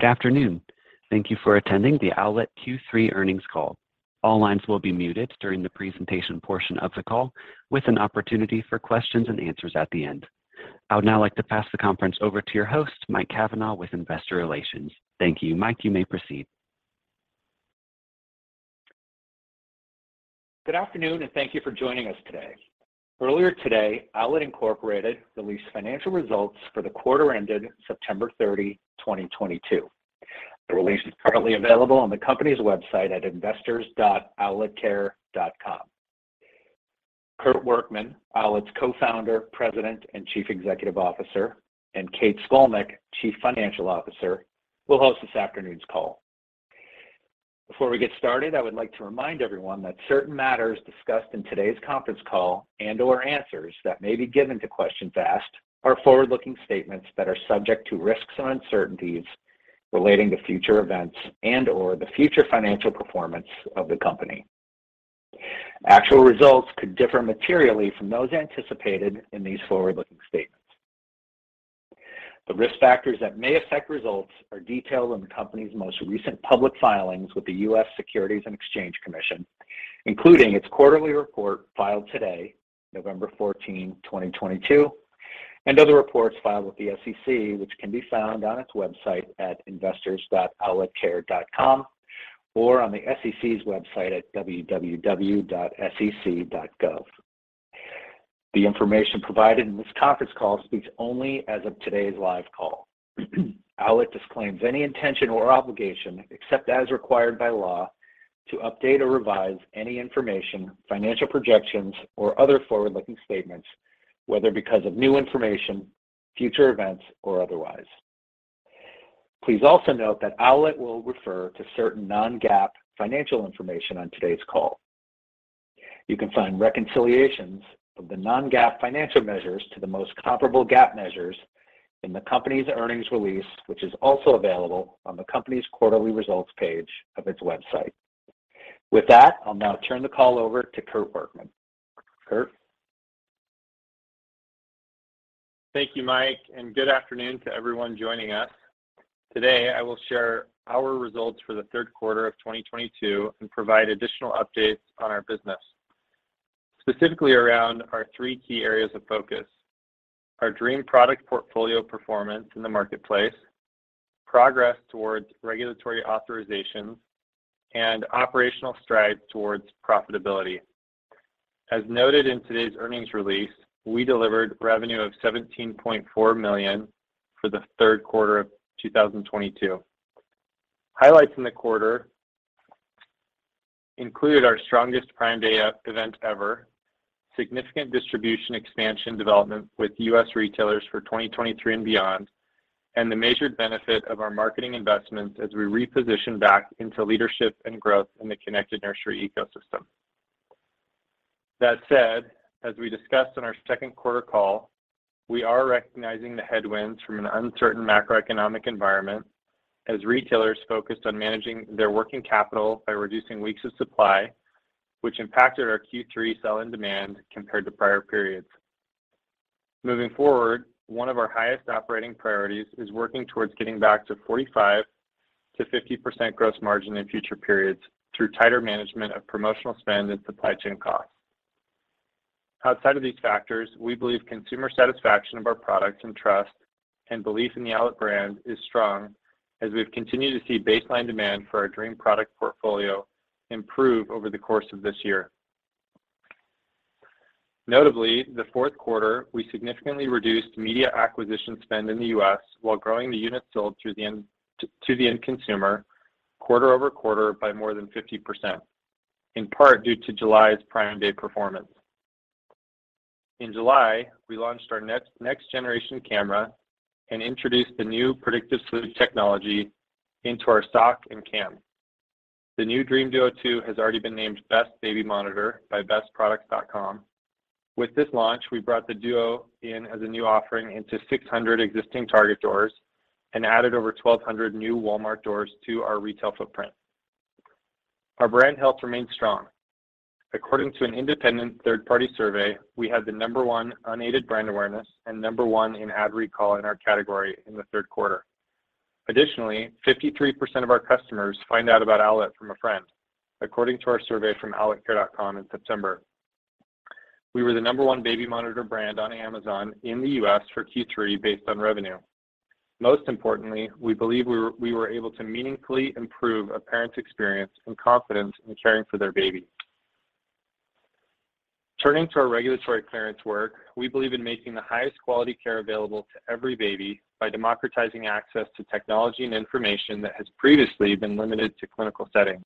Good afternoon. Thank you for attending the Owlet Q3 earnings call. All lines will be muted during the presentation portion of the call, with an opportunity for questions and answers at the end. I would now like to pass the conference over to your host, Mike Cavanaugh, with Investor Relations. Thank you. Mike, you may proceed Good afternoon, and thank you for joining us today. Earlier today, Owlet Incorporated released financial results for the quarter ended September 30th, 2022. The release is currently available on the company's website at investors.owletcare.com. Kurt Workman, Owlet's Co-Founder, President, and Chief Executive Officer, and Kate Scolnick, Chief Financial Officer, will host this afternoon's call. Before we get started, I would like to remind everyone that certain matters discussed in today's conference call and/or answers that may be given to questions asked are forward-looking statements that are subject to risks and uncertainties relating to future events and/or the future financial performance of the company. Actual results could differ materially from those anticipated in these forward-looking statements. The risk factors that may affect results are detailed in the company's most recent public filings with the U.S. Securities and Exchange Commission, including its quarterly report filed today, November 14th, 2022, and other reports filed with the SEC, which can be found on its website at investors.owletcare.com or on the SEC's website at www.sec.gov. The information provided in this conference call speaks only as of today's live call. Owlet disclaims any intention or obligation, except as required by law, to update or revise any information, financial projections, or other forward-looking statements, whether because of new information, future events, or otherwise. Please also note that Owlet will refer to certain non-GAAP financial information on today's call. You can find reconciliations of the non-GAAP financial measures to the most comparable GAAP measures in the company's earnings release, which is also available on the company's quarterly results page of its website. With that, I'll now turn the call over to Kurt Workman. Kurt? Thank you, Mike, and good afternoon to everyone joining us. Today, I will share our results for the third quarter of 2022 and provide additional updates on our business, specifically around our three key areas of focus, our Dream product portfolio performance in the marketplace, progress towards regulatory authorizations, and operational strides towards profitability. As noted in today's earnings release, we delivered revenue of $17.4 million for the third quarter of 2022. Highlights in the quarter included our strongest Prime Day event ever, significant distribution expansion development with U.S. retailers for 2023 and beyond, and the measured benefit of our marketing investments as we reposition back into leadership and growth in the connected nursery ecosystem. That said, as we discussed on our second quarter call, we are recognizing the headwinds from an uncertain macroeconomic environment as retailers focused on managing their working capital by reducing weeks of supply, which impacted our Q3 sell-in demand compared to prior periods. Moving forward, one of our highest operating priorities is working towards getting back to 45%-50% gross margin in future periods through tighter management of promotional spend and supply chain costs. Outside of these factors, we believe consumer satisfaction of our products and trust and belief in the Owlet brand is strong as we've continued to see baseline demand for our Dream product portfolio improve over the course of this year. Notably, the fourth quarter, we significantly reduced media acquisition spend in the U.S. while growing the units sold to the end consumer quarter-over-quarter by more than 50%, in part due to July's Prime Day performance. In July, we launched our next-generation camera and introduced the new predictive sleep technology into our sock and cam. The new Dream Duo Two has already been named Best Baby Monitor by BestProducts.com. With this launch, we brought the Duo in as a new offering into 600 existing Target doors and added over 1,200 new Walmart doors to our retail footprint. Our brand health remains strong. According to an independent third-party survey, we had the number one unaided brand awareness and number one in ad recall in our category in the third quarter. Additionally, 53% of our customers find out about Owlet from a friend, according to our survey from owletcare.com in September. We were the number one baby monitor brand on Amazon in the U.S. for Q3 based on revenue. Most importantly, we believe we were able to meaningfully improve a parent's experience and confidence in caring for their baby. Turning to our regulatory clearance work, we believe in making the highest quality care available to every baby by democratizing access to technology and information that has previously been limited to clinical settings.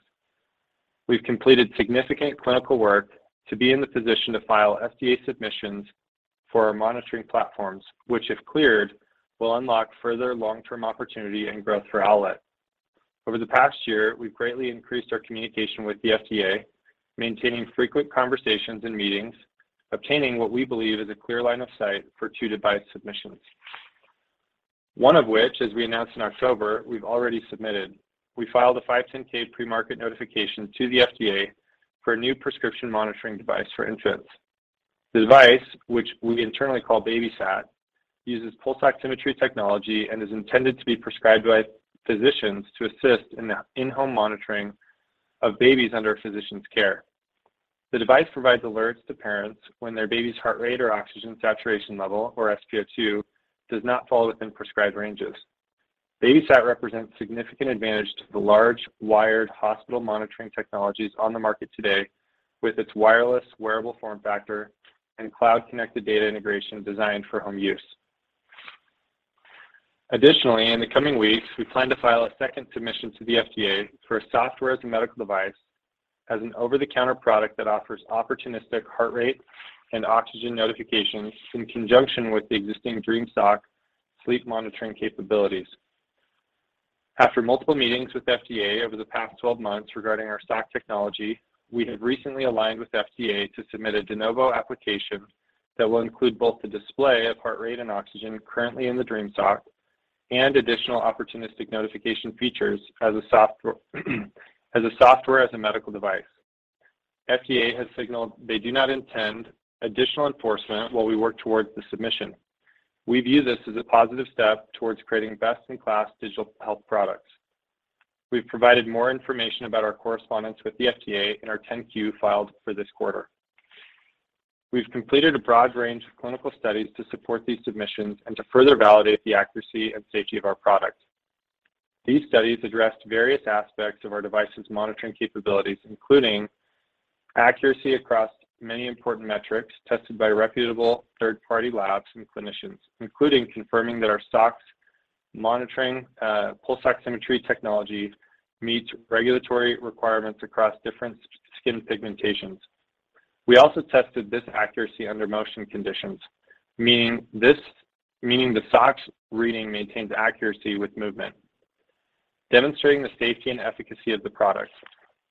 We've completed significant clinical work to be in the position to file FDA submissions for our monitoring platforms, which, if cleared, will unlock further long-term opportunity and growth for Owlet. Over the past year, we've greatly increased our communication with the FDA, maintaining frequent conversations and meetings, obtaining what we believe is a clear line of sight for two device submissions. One of which, as we announced in October, we've already submitted. We filed a 510(k) premarket notification to the FDA for a new prescription monitoring device for infants. The device, which we internally call BabySat, uses pulse oximetry technology and is intended to be prescribed by physicians to assist in the in-home monitoring of babies under a physician's care. The device provides alerts to parents when their baby's heart rate or oxygen saturation level, or SpO2, does not fall within prescribed ranges. BabySat represents significant advantage to the large wired hospital monitoring technologies on the market today with its wireless wearable form factor and cloud-connected data integration designed for home use. Additionally, in the coming weeks, we plan to file a second submission to the FDA for a Software as a Medical Device as an over-the-counter product that offers opportunistic heart rate and oxygen notifications in conjunction with the existing Dream Sock sleep monitoring capabilities. After multiple meetings with FDA over the past 12 months regarding our sock technology, we have recently aligned with FDA to submit a De Novo application that will include both the display of heart rate and oxygen currently in the Dream Sock and additional opportunistic notification features as a Software as a Medical Device. FDA has signaled they do not intend additional enforcement while we work towards the submission. We view this as a positive step towards creating best-in-class digital health products. We've provided more information about our correspondence with the FDA in our 10-Q filed for this quarter. We've completed a broad range of clinical studies to support these submissions and to further validate the accuracy and safety of our product. These studies addressed various aspects of our device's monitoring capabilities, including accuracy across many important metrics tested by reputable third-party labs and clinicians, including confirming that our socks monitoring, pulse oximetry technology meets regulatory requirements across different skin pigmentations. We also tested this accuracy under motion conditions, meaning the socks reading maintains accuracy with movement. Demonstrating the safety and efficacy of the product,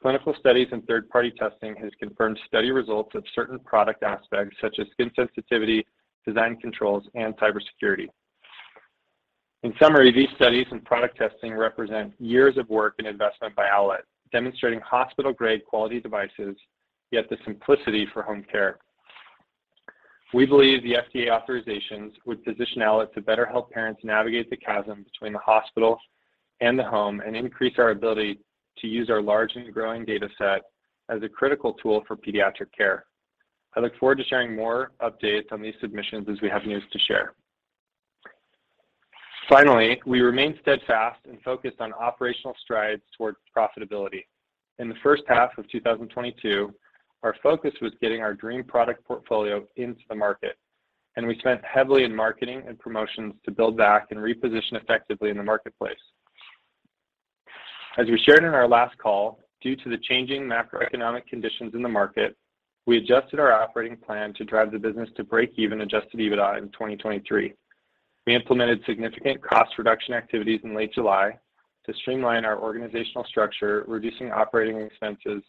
clinical studies and third-party testing has confirmed study results of certain product aspects such as skin sensitivity, design controls, and cybersecurity. In summary, these studies and product testing represent years of work and investment by Owlet, demonstrating hospital-grade quality devices, yet the simplicity for home care. We believe the FDA authorizations would position Owlet to better help parents navigate the chasm between the hospital and the home and increase our ability to use our large and growing data set as a critical tool for pediatric care. I look forward to sharing more updates on these submissions as we have news to share. Finally, we remain steadfast and focused on operational strides towards profitability. In the first half of 2022, our focus was getting our Dream product portfolio into the market, and we spent heavily in marketing and promotions to build back and reposition effectively in the marketplace. As we shared in our last call, due to the changing macroeconomic conditions in the market, we adjusted our operating plan to drive the business to break even Adjusted EBITDA in 2023. We implemented significant cost reduction activities in late July to streamline our organizational structure, reducing operating expenses,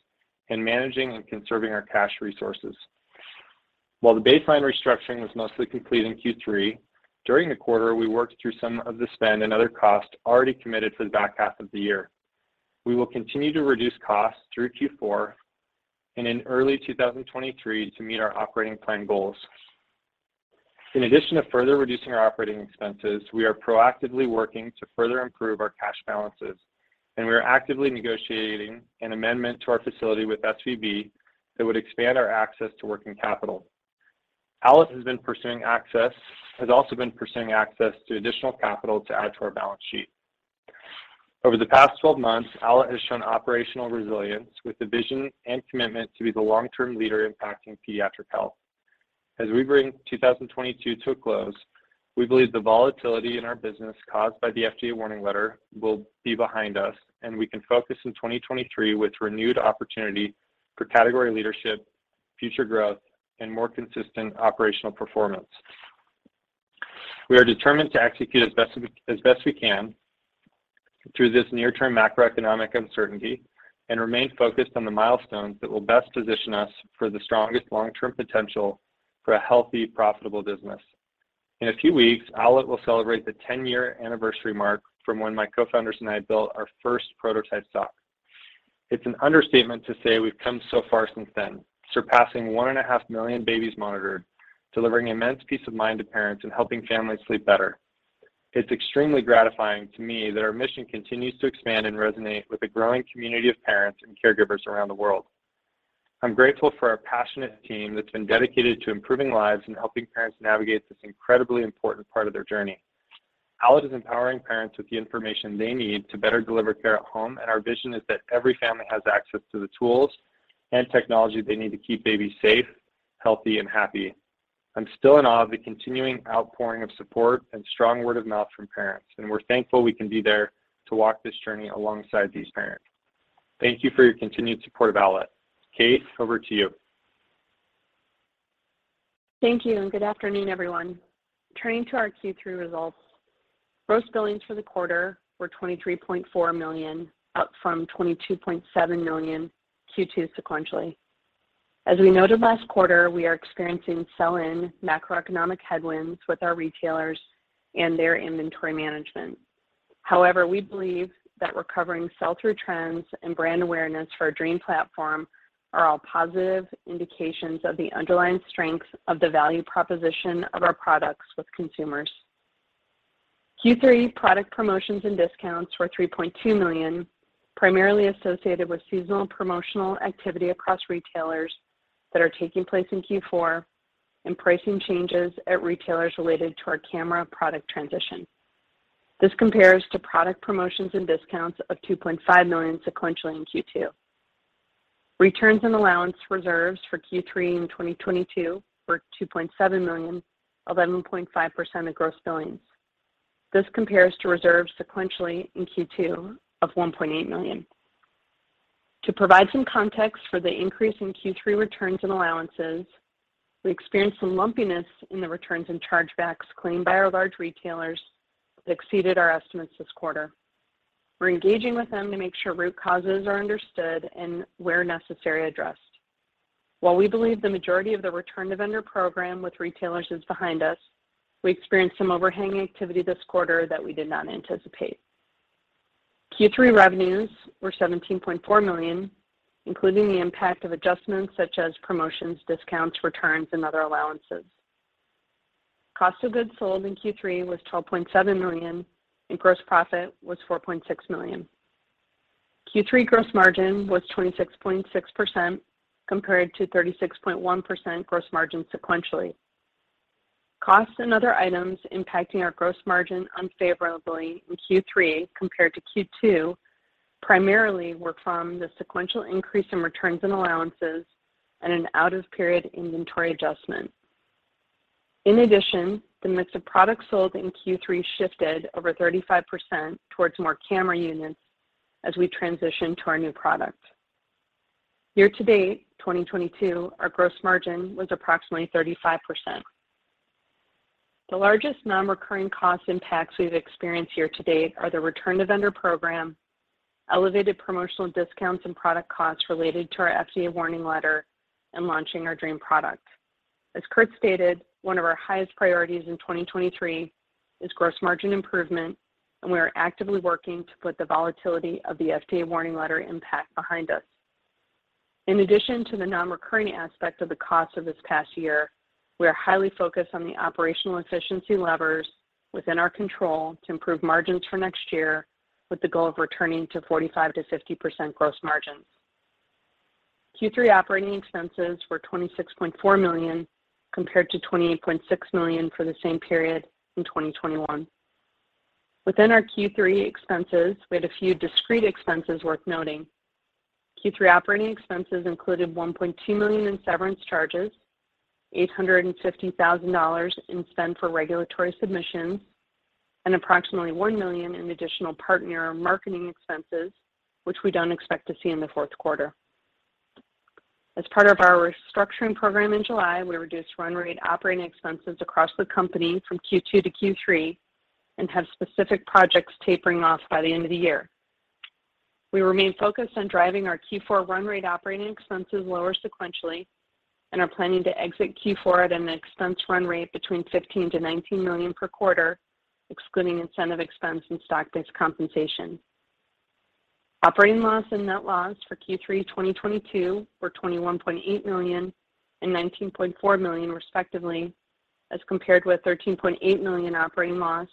and managing and conserving our cash resources. While the baseline restructuring was mostly complete in Q3, during the quarter, we worked through some of the spend and other costs already committed for the back half of the year. We will continue to reduce costs through Q4 and in early 2023 to meet our operating plan goals. In addition to further reducing our operating expenses, we are proactively working to further improve our cash balances, and we are actively negotiating an amendment to our facility with SVB that would expand our access to working capital. Owlet has also been pursuing access to additional capital to add to our balance sheet. Over the past 12 months, Owlet has shown operational resilience with the vision and commitment to be the long-term leader impacting pediatric health. As we bring 2022 to a close, we believe the volatility in our business caused by the FDA warning letter will be behind us, and we can focus in 2023 with renewed opportunity for category leadership, future growth, and more consistent operational performance. We are determined to execute as best we can through this near-term macroeconomic uncertainty and remain focused on the milestones that will best position us for the strongest long-term potential for a healthy, profitable business. In a few weeks, Owlet will celebrate the 10 year anniversary mark from when my co-founders and I built our first prototype sock. It's an understatement to say we've come so far since then, surpassing 1.5 million babies monitored, delivering immense peace of mind to parents, and helping families sleep better. It's extremely gratifying to me that our mission continues to expand and resonate with a growing community of parents and caregivers around the world. I'm grateful for our passionate team that's been dedicated to improving lives and helping parents navigate this incredibly important part of their journey. Owlet is empowering parents with the information they need to better deliver care at home, and our vision is that every family has access to the tools and technology they need to keep babies safe, healthy, and happy. I'm still in awe of the continuing outpouring of support and strong word of mouth from parents, and we're thankful we can be there to walk this journey alongside these parents. Thank you for your continued support of Owlet. Kate, over to you. Thank you, and good afternoon, everyone. Turning to our Q3 results, gross billings for the quarter were $23.4 million, up from $22.7 million Q2 sequentially. As we noted last quarter, we are experiencing sell-in macroeconomic headwinds with our retailers and their inventory management. However, we believe that recovering sell-through trends and brand awareness for our Dream platform are all positive indications of the underlying strength of the value proposition of our products with consumers. Q3 product promotions and discounts were $3.2 million, primarily associated with seasonal promotional activity across retailers that are taking place in Q4 and pricing changes at retailers related to our camera product transition. This compares to product promotions and discounts of $2.5 million sequentially in Q2. Returns and allowance reserves for Q3 in 2022 were $2.7 million, 11.5% of gross billings. This compares to reserves sequentially in Q2 of $1.8 million. To provide some context for the increase in Q3 returns and allowances, we experienced some lumpiness in the returns and chargebacks claimed by our large retailers that exceeded our estimates this quarter. We're engaging with them to make sure root causes are understood and where necessary, addressed. While we believe the majority of the Return-to-Vendor program with retailers is behind us, we experienced some overhanging activity this quarter that we did not anticipate. Q3 revenues were $17.4 million, including the impact of adjustments such as promotions, discounts, returns, and other allowances. Cost of goods sold in Q3 was $12.7 million, and gross profit was $4.6 million. Q3 gross margin was 26.6% compared to 36.1% gross margin sequentially. Costs and other items impacting our gross margin unfavorably in Q3 compared to Q2 primarily were from the sequential increase in returns and allowances and an out-of-period inventory adjustment. In addition, the mix of products sold in Q3 shifted over 35% towards more camera units as we transition to our new product. Year to date, 2022, our gross margin was approximately 35%. The largest non-recurring cost impacts we've experienced year to date are the Return-to-Vendor program, elevated promotional discounts and product costs related to our FDA warning letter, and launching our Dream product. As Kurt stated, one of our highest priorities in 2023 is gross margin improvement, and we are actively working to put the volatility of the FDA warning letter impact behind us. In addition to the non-recurring aspect of the cost of this past year, we are highly focused on the operational efficiency levers within our control to improve margins for next year with the goal of returning to 45%-50% gross margins. Q3 operating expenses were $26.4 million compared to $28.6 million for the same period in 2021. Within our Q3 expenses, we had a few discrete expenses worth noting. Q3 operating expenses included $1.2 million in severance charges, $850,000 in spend for regulatory submissions, and approximately $1 million in additional partner marketing expenses, which we don't expect to see in the fourth quarter. As part of our restructuring program in July, we reduced run rate operating expenses across the company from Q2 to Q3 and have specific projects tapering off by the end of the year. We remain focused on driving our Q4 run rate operating expenses lower sequentially and are planning to exit Q4 at an expense run rate between $15 million-$19 million per quarter, excluding incentive expense and stock-based compensation. Operating loss and net loss for Q3 2022 were $21.8 million and $19.4 million, respectively, as compared with $13.8 million operating loss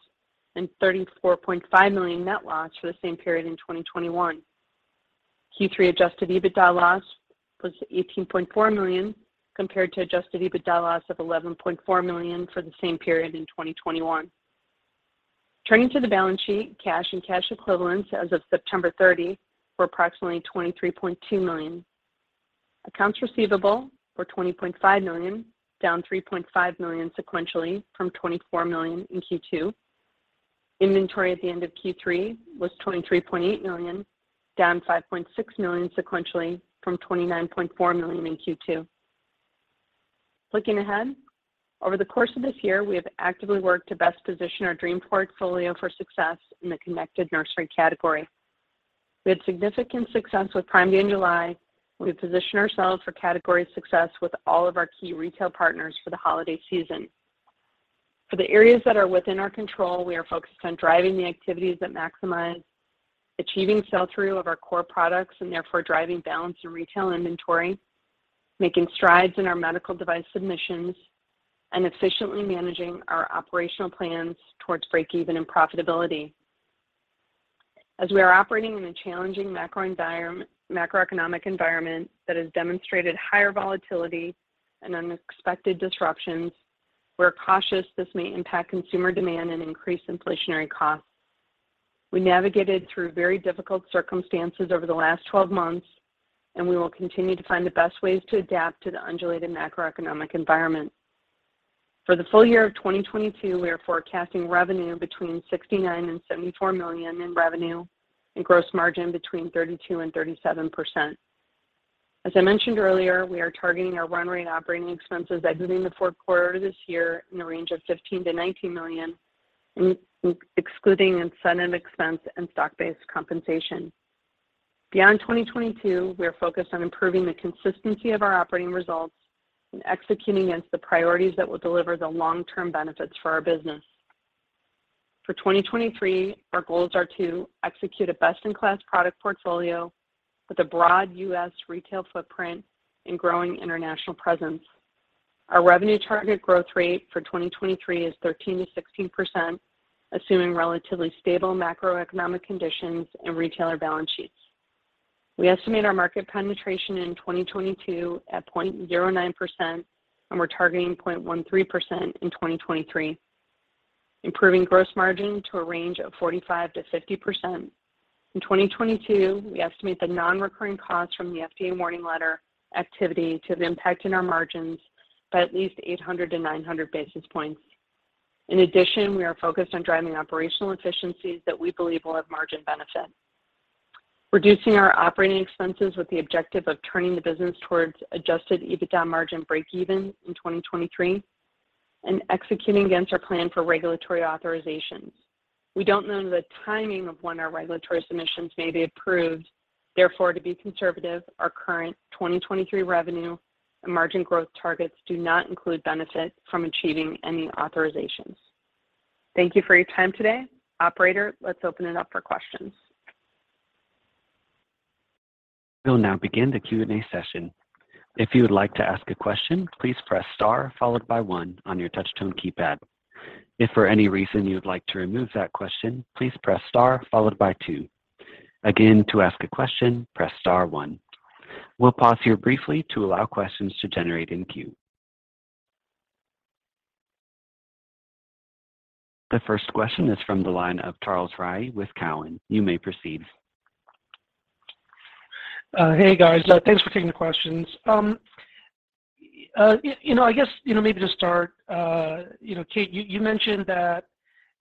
and $34.5 million net loss for the same period in 2021. Q3 Adjusted EBITDA loss was $18.4 million compared to Adjusted EBITDA loss of $11.4 million for the same period in 2021. Turning to the balance sheet, cash and cash equivalents as of September 30 were approximately $23.2 million. Accounts receivable were $20.5 million, down $3.5 million sequentially from $24 million in Q2. Inventory at the end of Q3 was $23.8 million, down $5.6 million sequentially from $29.4 million in Q2. Looking ahead, over the course of this year, we have actively worked to best position our Dream portfolio for success in the connected nursery category. We had significant success with Prime Day in July, and we've positioned ourselves for category success with all of our key retail partners for the holiday season. For the areas that are within our control, we are focused on driving the activities that maximize achieving sell-through of our core products and therefore driving balance in retail inventory, making strides in our medical device submissions, and efficiently managing our operational plans towards breakeven and profitability. As we are operating in a challenging macroeconomic environment that has demonstrated higher volatility and unexpected disruptions, we're cautious this may impact consumer demand and increase inflationary costs. We navigated through very difficult circumstances over the last twelve months, and we will continue to find the best ways to adapt to the undulating macroeconomic environment. For the full-year of 2022, we are forecasting revenue between $69 million and $74 million in revenue and gross margin between 32% and 37%. As I mentioned earlier, we are targeting our run rate operating expenses exiting the fourth quarter this year in the range of $15 million-$19 million, excluding incentive expense and stock-based compensation. Beyond 2022, we are focused on improving the consistency of our operating results and executing against the priorities that will deliver the long-term benefits for our business. For 2023, our goals are to execute a best-in-class product portfolio with a broad US retail footprint and growing international presence. Our revenue target growth rate for 2023 is 13%-16%, assuming relatively stable macroeconomic conditions and retailer balance sheets. We estimate our market penetration in 2022 at 0.09%, and we're targeting 0.13% in 2023. Improving gross margin to a range of 45%-50%. In 2022, we estimate the non-recurring costs from the FDA warning letter activity to have impacted our margins by at least 800-900 basis points. In addition, we are focused on driving operational efficiencies that we believe will have margin benefit. Reducing our operating expenses with the objective of turning the business towards adjusted EBITDA margin breakeven in 2023, and executing against our plan for regulatory authorizations. We don't know the timing of when our regulatory submissions may be approved. Therefore, to be conservative, our current 2023 revenue and margin growth targets do not include benefits from achieving any authorizations. Thank you for your time today. Operator, let's open it up for questions. We'll now begin the Q&A session. If you would like to ask a question, please press star followed by one on your touch tone keypad. If for any reason you would like to remove that question, please press star followed by two. Again, to ask a question, press star one. We'll pause here briefly to allow questions to generate in queue. The first question is from the line of Charles Rhyee with Cowen. You may proceed. Hey, guys. Thanks for taking the questions. You know, I guess, you know, maybe to start, you know, Kate, you mentioned that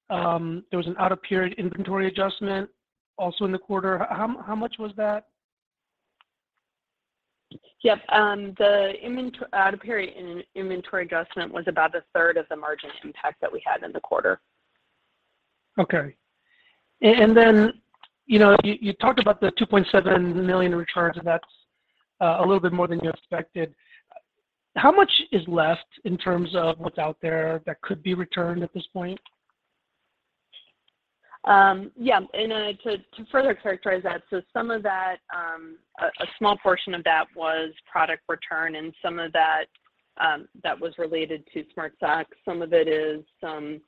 there was an out-of-period inventory adjustment also in the quarter. How much was that? Yep. The out-of-period inventory adjustment was about a third of the margin impact that we had in the quarter. Okay. You know, you talked about the 2.7 million returns, and that's a little bit more than you expected. How much is left in terms of what's out there that could be returned at this point? To further characterize that, a small portion of that was product return, and some of that was related to Smart Sock. Some of it is some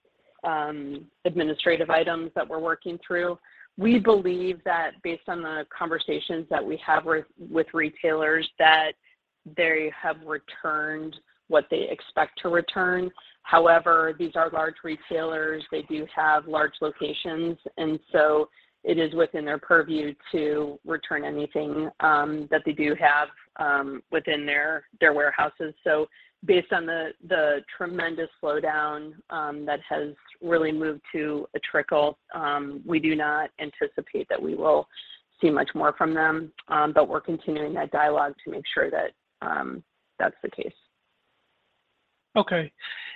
administrative items that we're working through. We believe that based on the conversations that we have with retailers, that they have returned what they expect to return. However, these are large retailers. They do have large locations, and it is within their purview to return anything that they do have within their warehouses. Based on the tremendous slowdown that has really moved to a trickle, we do not anticipate that we will see much more from them. We're continuing that dialogue to make sure that that's the case. Okay.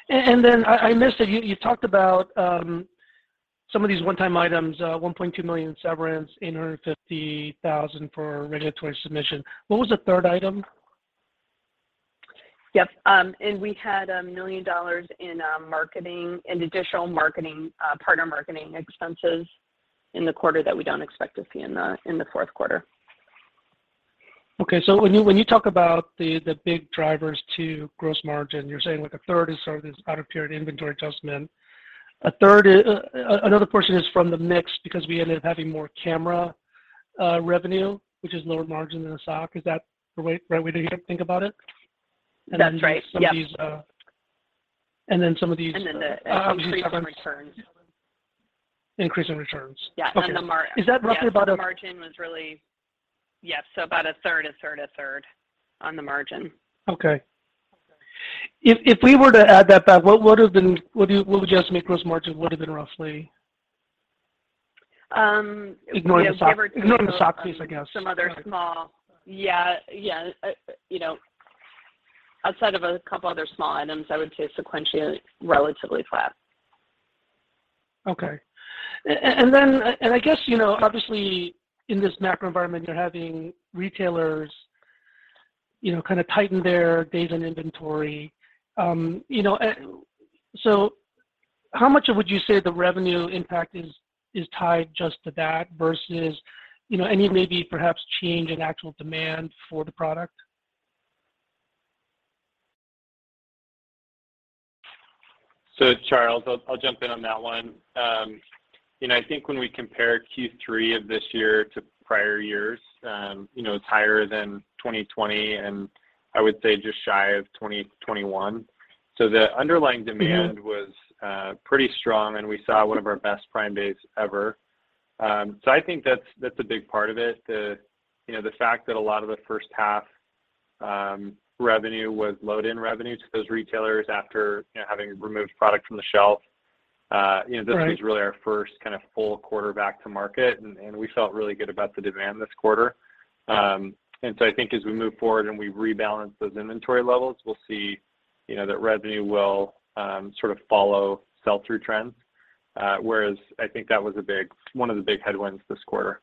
Then I missed it. You talked about some of these one-time items, $1.2 million in severance, $850,000 for regulatory submission. What was the third item? Yep. We had $1 million in marketing and additional partner marketing expenses in the quarter that we don't expect to see in the fourth quarter. Okay. When you talk about the big drivers to gross margin, you're saying like a third is sort of this out-of-period inventory adjustment. A third is another portion from the mix because we ended up having more camera revenue, which is lower margin than a sock. Is that the right way to think about it? That's right. Yep. Some of these. The increase in returns. Increase in returns. Yeah. Okay. And the mar Is that roughly about a? Yes, about a third on the margin. Okay. If we were to add that back, what would just mean gross margin would have been roughly? Um, Ignoring the sock piece, I guess. Yeah. You know, outside of a couple other small items, I would say sequentially, relatively flat. Okay. I guess, you know, obviously in this macro environment, you're having retailers, you know, kind of tighten their days on inventory. You know, how much of would you say the revenue impact is tied just to that versus, you know, any maybe perhaps change in actual demand for the product? Charles, I'll jump in on that one. You know, I think when we compare Q3 of this year to prior years, you know, it's higher than 2020, and I would say just shy of 2021. The underlying demand Mm-hmm was pretty strong, and we saw one of our best Prime Days ever. I think that's a big part of it, you know, the fact that a lot of the first half revenue was load-in revenue to those retailers after, you know, having removed product from the shelf. Right This was really our first kind of full quarter back to market, and we felt really good about the demand this quarter. I think as we move forward and we rebalance those inventory levels, we'll see, you know, that revenue will sort of follow sell-through trends. Whereas I think that was one of the big headwinds this quarter.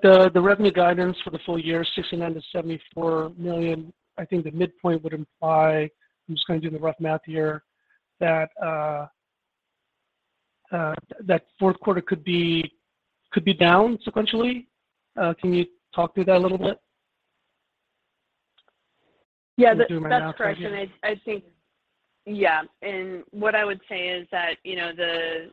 The revenue guidance for the full-year, $69 million-$74 million, I think the midpoint would imply, I'm just gonna do the rough math here, that fourth quarter could be down sequentially. Can you talk through that a little bit? Yeah. Let me do my math again. That's correct. I think what I would say is that, you know, the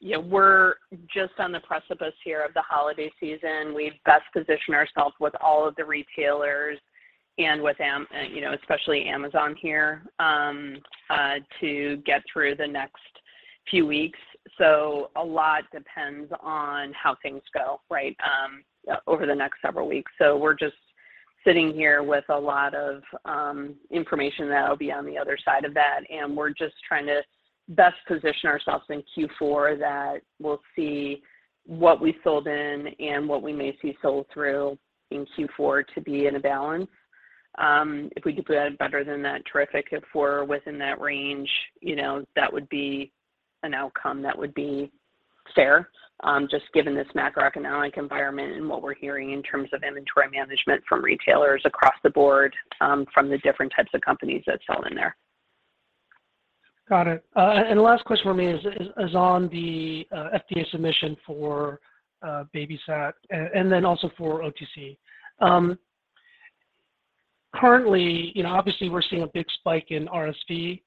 you know, we're just on the precipice here of the holiday season. We've best positioned ourselves with all of the retailers and with you know, especially Amazon here, to get through the next few weeks. A lot depends on how things go, right, over the next several weeks. We're just sitting here with a lot of information that'll be on the other side of that, and we're just trying to best position ourselves in Q4 that we'll see what we sold in and what we may see sold through in Q4 to be in a balance. If we could do better than that, terrific. If we're within that range, you know, that would be an outcome that would be fair, just given this macroeconomic environment and what we're hearing in terms of inventory management from retailers across the board, from the different types of companies that sell in there. Got it. The last question from me is on the FDA submission for BabySat and then also for OTC. Currently, you know, obviously we're seeing a big spike in RSV,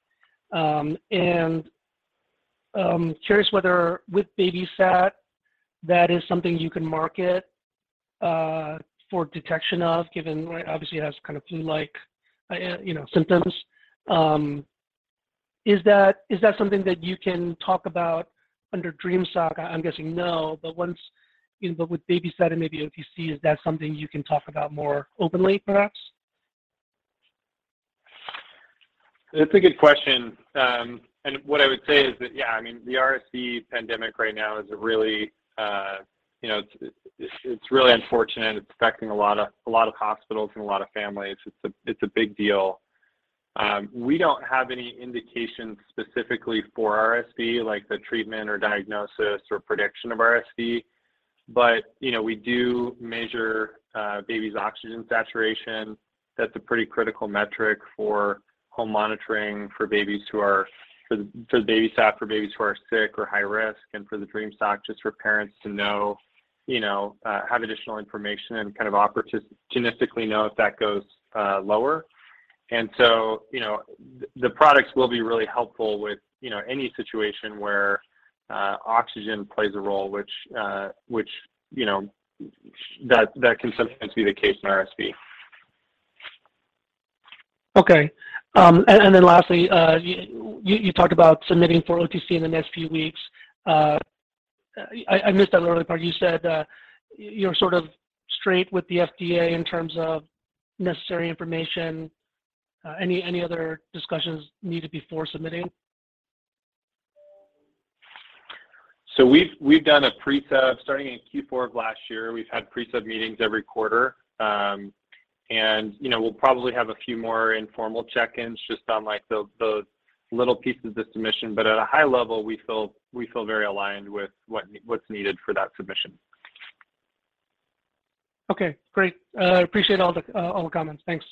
and curious whether with BabySat that is something you can market for detection of given, right, obviously it has kind of flu-like, you know, symptoms. Is that something that you can talk about under Dream Sock? I'm guessing no. But, you know, with BabySat and maybe OTC, is that something you can talk about more openly perhaps? It's a good question. What I would say is that, yeah, I mean, the RSV pandemic right now is a really, you know, it's really unfortunate. It's affecting a lot of hospitals and a lot of families. It's a big deal. We don't have any indications specifically for RSV, like the treatment or diagnosis or prediction of RSV. You know, we do measure babies' oxygen saturation. That's a pretty critical metric for home monitoring for the BabySat, for babies who are sick or high risk, and for the Dream Sock, just for parents to know, you know, have additional information and kind of opportunistically know if that goes lower. You know, the products will be really helpful with, you know, any situation where oxygen plays a role, which, you know, that can sometimes be the case in RSV. Okay. Lastly, you talked about submitting for OTC in the next few weeks. I missed that earlier part. You said, you're sort of straight with the FDA in terms of necessary information. Any other discussions needed before submitting? We've done a Pre-Submission starting in Q4 of last year. We've had Pre-Submission meetings every quarter. You know, we'll probably have a few more informal check-ins just on like the little pieces of submission. At a high level, we feel very aligned with what's needed for that submission. Okay, great. Appreciate all the comments. Thanks.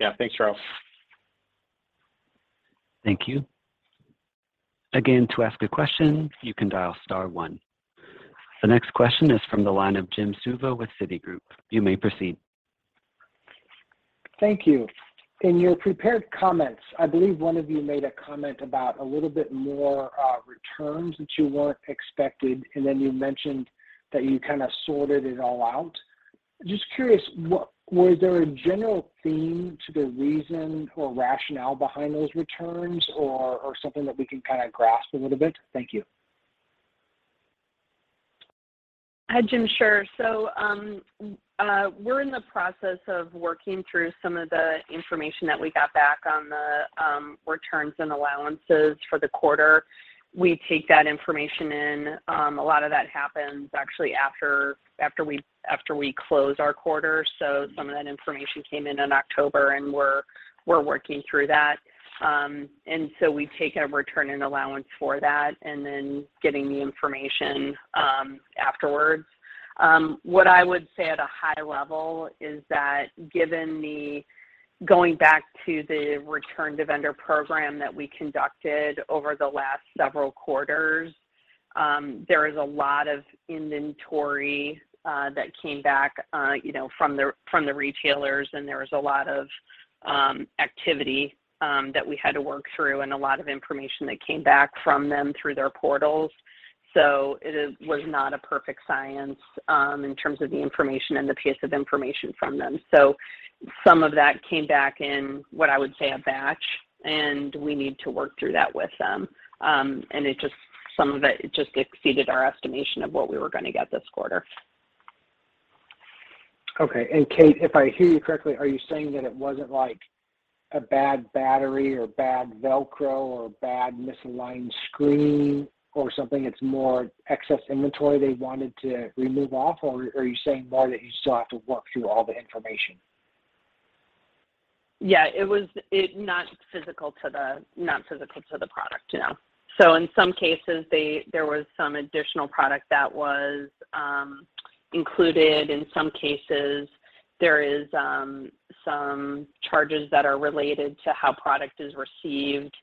Yeah. Thanks, Charles. Thank you. Again, to ask a question, you can dial star one. The next question is from the line of Jim Suva with Citigroup. You may proceed. Thank you. In your prepared comments, I believe one of you made a comment about a little bit more returns that you weren't expecting, and then you mentioned that you kind of sorted it all out. Just curious, what was there a general theme to the reason or rationale behind those returns or something that we can kind of grasp a little bit? Thank you. Hi, Jim. Sure. We're in the process of working through some of the information that we got back on the returns and allowances for the quarter. We take that information in. A lot of that happens actually after we close our quarter. Some of that information came in October, and we're working through that. We take a return and allowance for that, and then getting the information afterwards. What I would say at a high level is that given the going back to the Return-to-Vendor program that we conducted over the last several quarters, there is a lot of inventory that came back, you know, from the retailers, and there was a lot of activity that we had to work through and a lot of information that came back from them through their portals. It was not a perfect science in terms of the information and the pace of information from them. Some of that came back in, what I would say, a batch, and we need to work through that with them. Some of it just exceeded our estimation of what we were gonna get this quarter. Okay. Kate, if I hear you correctly, are you saying that it wasn't, like, a bad battery or bad Velcro or a bad misaligned screen or something? It's more excess inventory they wanted to remove off? Or are you saying more that you still have to work through all the information? Yeah, it was not physical to the product, no. In some cases there was some additional product that was included. In some cases, there is some charges that are related to how product is received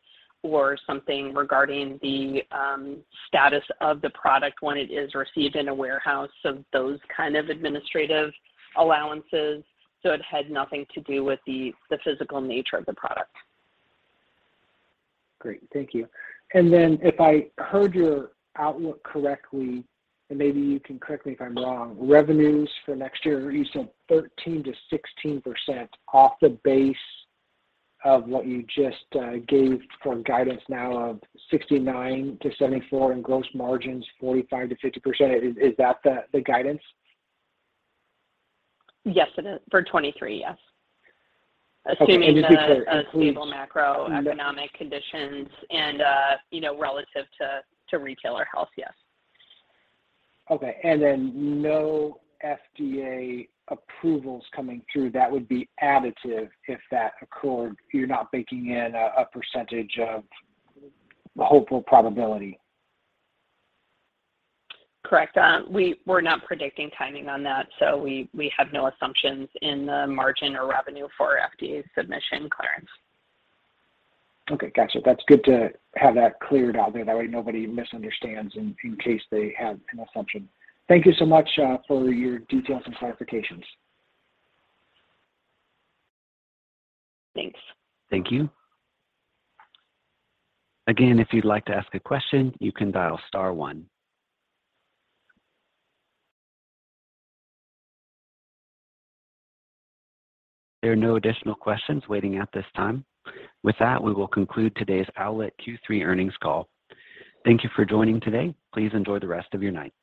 or something regarding the status of the product when it is received in a warehouse. Those kind of administrative allowances. It had nothing to do with the physical nature of the product. Great. Thank you. If I heard your outlook correctly, and maybe you can correct me if I'm wrong, revenues for next year, you said 13%-16% off the base of what you just gave for guidance now of $69-$74 in gross margins, 45%-50%. Is that the guidance? Yes, it is. For 2023, yes. Okay. Just to clear, it includes. Assuming the stable macroeconomic conditions and you know, relative to retailer health, yes. Okay. No FDA approvals coming through that would be additive if that occurred. You're not baking in a percentage of the hopeful probability. Correct. We're not predicting timing on that, so we have no assumptions in the margin or revenue for FDA submission clearance. Okay. Gotcha. That's good to have that cleared out there. That way nobody misunderstands in case they had an assumption. Thank you so much for your details and clarifications. Thanks. Thank you. Again, if you'd like to ask a question, you can dial star one. There are no additional questions waiting at this time. With that, we will conclude today's Owlet Q3 earnings call. Thank you for joining today. Please enjoy the rest of your night.